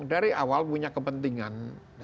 dari awal punya kepentingan